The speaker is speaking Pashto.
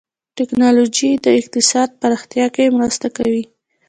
ټکنالوجي د اقتصاد پراختیا کې مرسته کوي.